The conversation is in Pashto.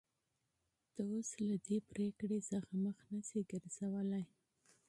ته اوس له دې فېصلې څخه مخ نشې ګرځولى.